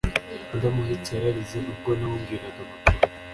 Madamu White yararize ubwo namubwiraga amakuru